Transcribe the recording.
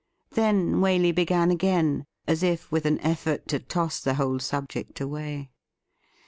Then Waley began again, as if with an eiFort to toss the whole subject away.